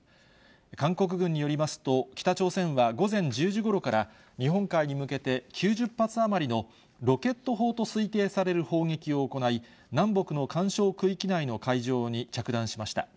韓国軍によりますと、北朝鮮は午前１０時ごろから、日本海に向けて９０発余りのロケット砲と推定される砲撃を行い、南北の緩衝区域内の海上に着弾しました。